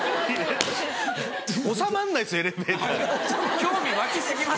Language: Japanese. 興味湧き過ぎます